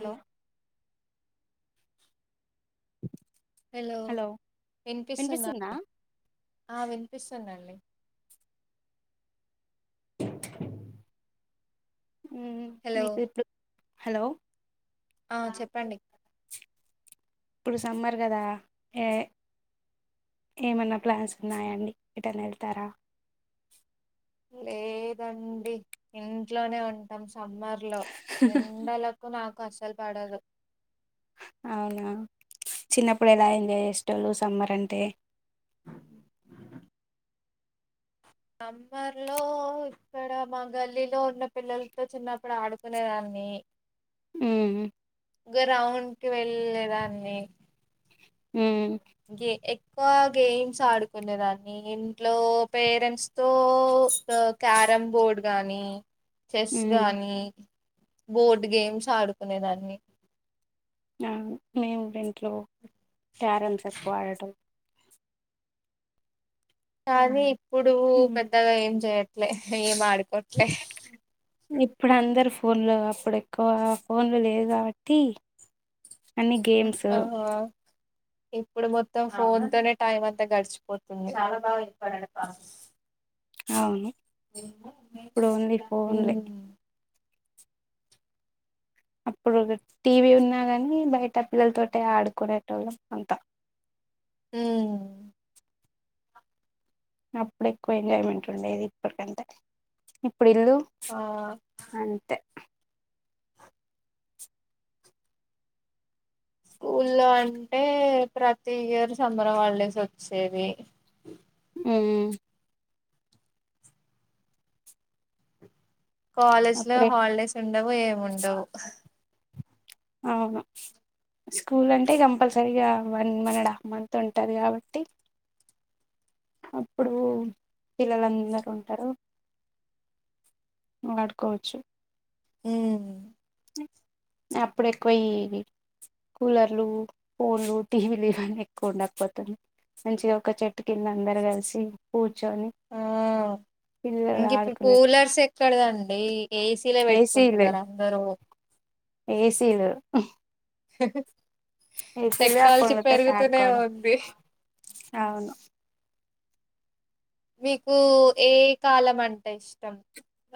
ఏ hello వినిపిస్తున్నా వినిపిస్తుందా ఆ విని స్తుందండి హ్మ్ హలో మీకు ఇప్పుడ్ హలో ఆ చెప్పండి ఇప్పుడు సమ్మర్ కదా ఏ ఏమన్నా ప్లాన్స్ ఉన్నాయండి ఎటన్న ఎళ్తారా లేదండి ఇంట్లోనే ఉంటాం సమ్మర్ లో ఎండలకు నాక్ అసలు పడదు. అవునా చిన్నప్పుడు ఎలా ఎంజాయ్ చేసేటోల్లు సమ్మర్ అంటే సమ్మార్లో ఇక్కడ మా గల్లీలో ఉన్న పిల్లలతో చిన్నప్పుడు ఆడుకునేదాన్ని ఉమ్ గ్రౌండ్ డ్ కి వెల్లేదాన్ని ఉమ్ గె ఎక్ క్కువ గేమ్స్ ఆడుకునే దాన్ని ఇంట్లో పేరెంట్స్ తో క్యారంబోర్డ్ గానీ చెస్ ఉమ్ గాని బోర్డు గేమ్స్ ఆడుకునేదాన్ని ఆ మిమెంట్లో క్యారంస్ ఎక్కువ ఆడేటోల్లం కాని ఇప్ ఇప్పుడు మ్మ్. పెద్దగా ఏం చేయ్యట్ లే ఏమ్ ఆడుక్ ఇప్పుడు అందరు ఫోన్ ఫోన్లు అప్పుడు ఎక్కువ ఫోన్లు లేదు కాబట్టి అన్ని గేమ్స్ ఆ ఇప్పుడు మొత్తం ఫోన్ తోనే టైం అంతా గడిచిపోతుంది. అవును ఇప్పుడు ఓన్లీ ఫోన్లే ఉహ్మ్ అప్పుడు ఒక టీవీ ఉన్నా గాని బయట పిల్లతోటే ఆడుకునేటోల్లం. అంతా ఉహ్మ్ అప్పుడు ఎక్కువ ఎంజాయ్మెంట్ ఉండేది. ఇప్పడికంటే. ఇప్పుడు ఇల్లు ఆ అంతే స్కూల్లో అంటే ప్రతి ఇయర్ సమ్మర్ హాల్డేస్ వచ్చేవి ఉహ్ కాలేజ్ లో అప్పుడే హాలిడేస్ ఉండవు ఏముండవు అవును స్కూల్ అంటే కంపల్సరిీగా వన్ మాండ్ మంత్ ఉంటుంది కాబట్టి. అప్పుడు పిల్లలుందరూ ఉంటారు ఆడుకోవచ్చు. ఉహ్మ్ అప్పుడు ఎక్కువ ఈవి కూలర్లు, ఫోన్లు, టీవీలు ఇవన్నీ ఎక్కువ ఉండకపోతుంద్. మంచిగా ఒక చెట్టు కింద అందరు కలిసి కు ఆహ్ ఇంకిప్పుడు ఆడుకునేట్టు కూలర్స్ ఎక్కడదండి ఏసి సీల్ ఏసీలు పెట్టుకుంటున్నారు అందరూ. ఆహ్ వో ఏసిలే ఆ పోన్లతో పెరుగుతూనే ఆడుకోడం ఉంది అవును. మీకు ఏ కాలం అంటే ఇష్టం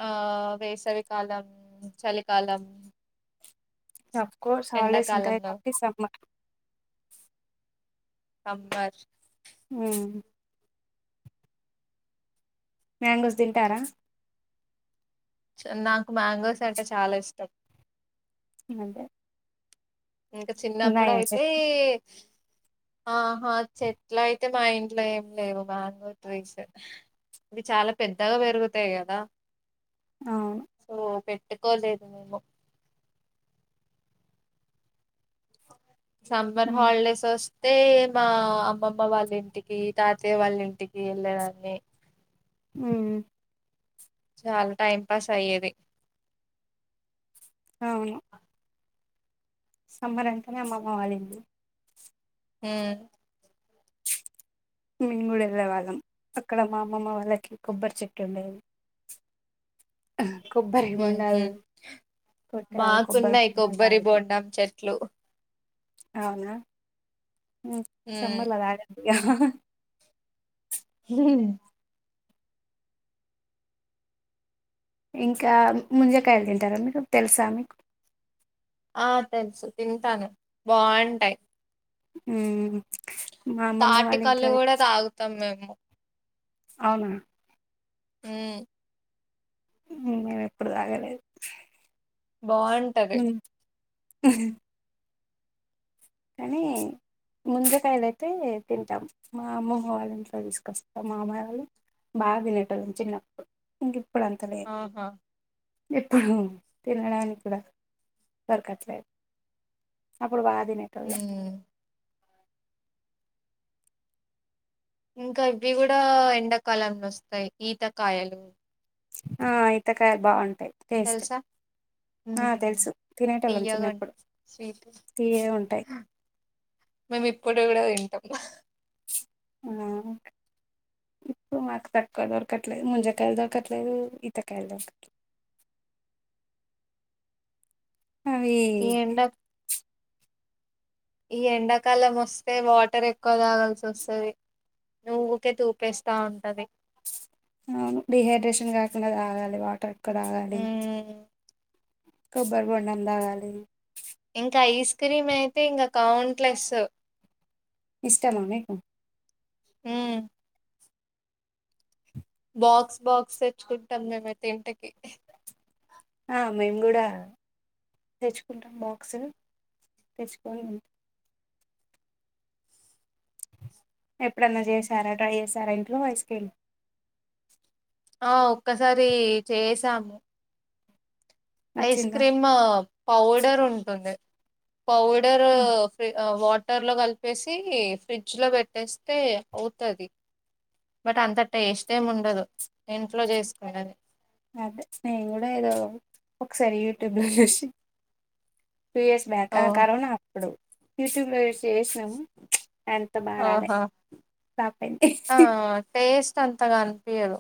ఆహ్ వేసవికాలం, చలికాలం. ఆహ్ అఫ్ కోర్స్ హాలిడేస్ ఉంటాయి కాబట్టి సమ్మర్ సమ్మర్ ఉహ్ మ్యాంగోస్ తింటారా. నాకు మ్యాంగోస్ అంటే చాలా ఇష్టం. ఏమంతే ఇంకా చిన్నప్పుడు అయితే ఆహా చెట్ల అయితే మా ఇంట్లో ఏం లేవు మ్యాంగో ట్రీస్ ఇవి చాలా పెద్దగా పెరుగుతాయి కదా అవును ఓ పె పెట్టుకోలేదు మేము సమ్మర్ ఉమ్ హాలిడేస్ అ అయిే మా అమ్మమ్మ వాళ్ళింటికి తాతయ్య వాళ్ళ ఇంటికి వెళ్ళేదాన్ని ఆ చాలా టైం పాస్ అయ్యేది అవును సమ్మర్ అంతనే అమ్మకోవాలింది హ మేము కూడా వెళ్ళే వాళ్ళం అక్కడ మా అమ్మమ్మ వాళ్ళకి కొబ్బరి చెట్టు ఉండేది కొబ్బరి బొండాలు కొట్టేవాళ్ళు కొబ్బరి మాకున్నాయి బొండాలు కొబ్బరి తాగుతాం బోండాం చెట్లు అవునా ఉమ్ సంమ్బర్ అద వో ఇంకా ముంజకాయలు తింటారా మీకు తెలుసా మీకు ఆ తెలుసు తింటాను బాగుంటాయి ఉ తాటికల్లుు కూడా తాగుతాం మేము అవునా ఉ మేము ఎప్పుడు తాగలేదు బాగుంటది ఆ కానీ ముందకాయలుయితే తింటాం మా అమ్మమ్మ వాళ్ళ ఇంట్లో తీసుకొస్తాం మా అమ్మాయి వాళ్ళు బాగా తినేట వాళ్ళం చిన్నప్పుడు ఇంక ఆహా ఎప్పుడు తినడానికి కూడా దొరకట్లేదు ప్పుడు బా తినేటోళ్లం హ్మ్ ఇంకా ఇవి కూడా ఎండాకాలంలో వస్తాయి ఈతకాయలు ఆ ఇయితకాయలు బాగుంటు టేస్ట్ తెలుసా ఆ హ్మ్ తెలుసు తినేటోళ్లం తీయగా చిన్నప్పుడు ఉంటాయి స్వీట్ తీయగా ఉంటాయి మేము ఇప్పుడు కూడా తింటా ఆ ఆ ఇప్పుడు మాకు తక్కువ దొరకట్లేదు ముంజకాయలు దొరకట్లేదు ఇతకాయలు దొరకట్లేదు ఏండా ఈ ఎండాకాలం వస్తే వాటర్ ఎక్కువ తాగాల్సి వస్తుంది నువ్వుకే తూపేస్తా ఉంటది అవును డిహైడ్రేషన్ కాకుండా తాగాలి వాటర్ క్కడ గడి హ్మ్ కొబ్బరి బొండం దాగాలి ఇంకా ఐస్ క్రీమ్ అయితే ఇంగ కౌంట్లెస్ ఇష్టమ్ మీకు ఆ బాక్స్ బాక్స్ తెచ్చుకుంటు మేమైతే ఇంటికి ఆ మేము కూడా తెచ్చుకుంటాం బాక్స్ ని తెచ్చుకొని ఎప్పుడన్నా చేశార ట్రై చేశార ఇంట్లో ఐస్ క్రీమ్ ఆ ఒక్కసారి చేసాము ఐస్ నచ్చిందా క్రీమ్ పౌడర్ ఉంటుంది పౌడర్ ఫ్రి వాట్ వాటర్ లో కలిపేసి ఫ్రిడ్జ్ లో పెట్టేస్తే అవుతది బట్ అంత టేస్ట్ ఏమి ఉండదు ఇంట్లో చేసుకునేది అదే నేను కూడా ఏదో ఒకసారి యూట్యూబ్ లో చూసి టూ ఇయర్స్ బ్యాక్ ఓ ఆ కరోన టుడు యూట్యూబ్ లో ఎసి ఆహా ఫ్లాప్ అయింది ఆ టేస్ట్ అంతగ అనిపియ్యదు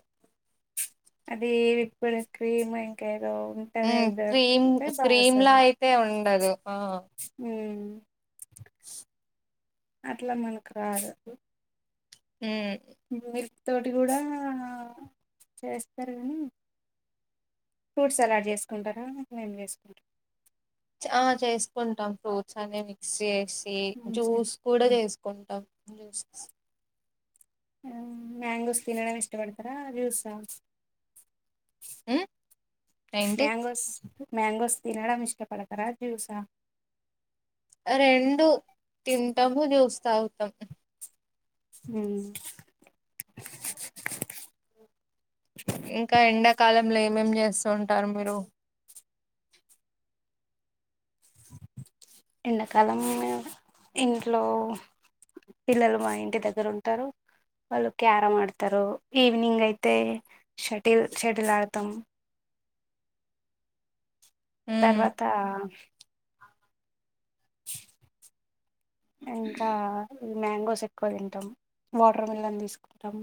అది ఇప్పుడు క్రీమ్ ఇంక ఏ ఉమ్ క్రీమ్ క్రీమ్లా వస్తది అయితే ఉండదు ఆ స్ అట్ల మనక్ రాదు హుమ్ మిల్క్ తోటి కూడా చేస్తారు కానీ ఫ్రూట్ సలాడ్ చేసుకుంటరా మేము చేసుకుంటాము తోచనే మిక్సి జ్యూస్ కూడ మంచి చేసుకుంటం హిందూస్ ఆ మ్యాంగోస్ తినడం ఇష్టపడతరా జ్యూసా ఉమ్ ఏంటి మ్యాంగోస్ మ్యాంగోస్ తినడం ఇష్టపడతరా జ్యూసా రెండు తింటము జూస్ తాగుతాం హూ ఇంక ఎండ కాలంలో ఏమేమ్ చేస్తూ ఉంటారు మీరు ఎండాకాలం ఇంట్లో పిల్లలు మా ఇంటి దగ్గర ఉంటరు వాళ్ళు క్యారంమ్ ఆడతారు ఈవినింగ్ అయితే షటిల్ షటిల్ ఆడతాం ఉమ్ తర్వతా ఇంకా ఈ మ్యాంగోస్ ఎక్కువ తింటం వాటర్ మిలన్ తీసుకుంటాం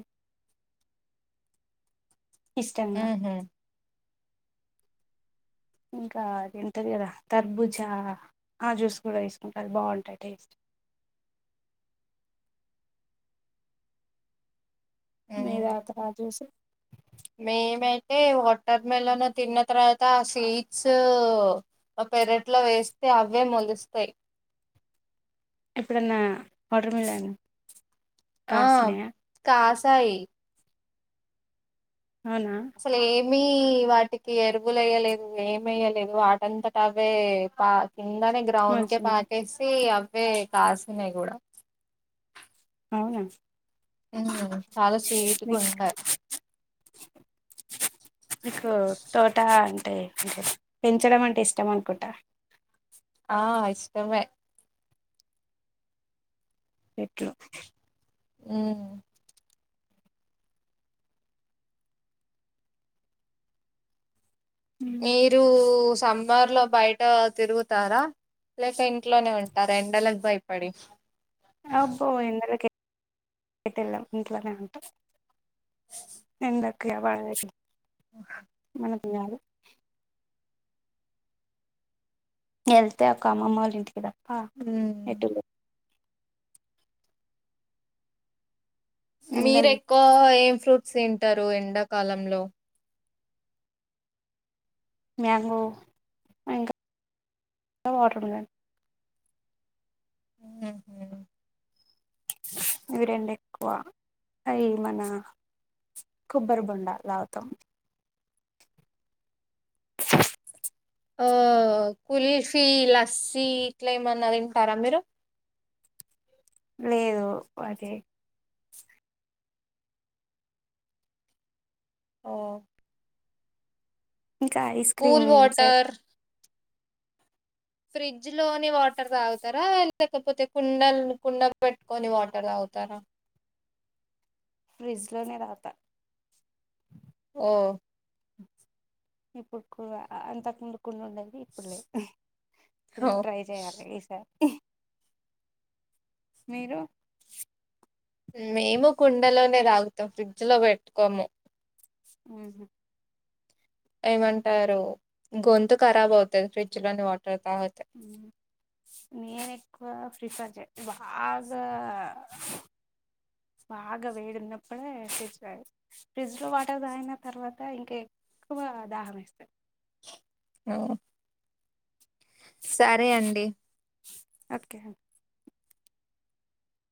ఇష్టంగా ఉహు ఇంకా అదేంటది అదిేంటారు కదా తర్బుజా ఆ జ్యూస్ కూడా నేసుకుంటారు బాగుంటాయి టేస్ట్ మీతాగుతరా జ్యూస్ మేమైతే వాటర్ మెలన్ తిన్న తర్వాత సీడ్స్, మా పెరట్లో వేస్తే అవే మొలుస్తయ్. ఎప్పుడన్నా వాటర్ మిలన్ ఆ కాసినయా కాసాయి అవునా మ్మీ వాటికి ఎరువులు ఎయ్యలేదు ఏమియ్యలేదు వాటంతటవే పా కిందనే గ్రౌండ్ కే మొలిచినయా పాకేసి అవ్ వే కాసిన్నాయ్ కూడా అవునా హ్మ్ చాలా స్వీట్గా మీ ఉండయ్ మీకు తోట అంటే పెంచడం అంటే ఇష్టం అనుకుంటా ఆ ఇష్టమే ఏట్లు హ్మ్మ్ మ్మ్. మీరు సమ్మర్ లో బయట తిరుగుతారా లేక ఇంట్లోనే ఉంటారా, ఎండలకు భయపడి అబ్బో ఎండలకి ఎటెళ్ళం ఇంట్లోనే ఉంటం ఎండక్ ఖిల బాగా రాసిన్ ఆహ్ తినాలి వెళ్తే ఒక్క అమ్మమ్మ వాళ్ళ ఇంటికి రా ఆ హ్మ్ ఎటుళ్ళు మీరు ఎండలు ఎక్కువగా ఏం ఫ్రూట్స్ తింటారు ఎండాకాలంలో మ్యాంగో ఆ ఇంకా ఆ వాటర్ మిలన్ హ్మ్ హు ఇవి రెండు ఎక్కువ అవి మన కొబ్బరి బొండా లాగ్తం ఓ కుల్ఫీ లస్ లేదు అదే ఓ ఇంకా ice cream cool set water fridge లోని వాటర్ తాగుతారా లేకపోతే, కుండల్ కుండలు పెట్టుకొని, వాటర్ తాగుతారా ఫ్రిజలోనే తాగుతా ఓ ఇప్పుడు కూడ అంతక్ముందు కుండ [unintelligible] ఇప్పుడు లే ఓ. ఇంకా ట్రై చేయాలి ఈసారి మీరు మేము కుండలోనే తాగుతాం ఫ్రిడ్జ్ లో పెట్టుకోము. హుహ్ ఏమంటారు గొంతు కరాబ్ అవుతది ఫ్రిడ్జ్ లోని వా హ్ నేను ఎక్కువ ఫ్రీఫర్ బాగా బాగా వేడిన్నప్పుడే [inaudible] ఫ్రిడ్జ్ లో వాటర్ తాగిన తర్వాత ఇంకా ఎక్కువ దాహం ఏస్తది. ఓ సరే అండి. ఓకే